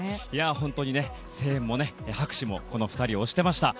本当に声援も拍手もこの２人を押していました。